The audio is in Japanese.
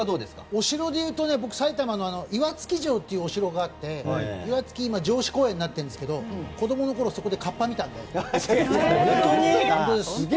お城でいうと埼玉の岩槻城っていうのがあって今、城址公園になっているんですけど子供のころ、そこでカッパ見たので。